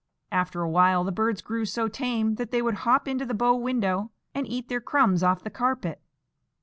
After a while the birds grew so tame that they would hop into the bow window and eat their crumbs off the carpet.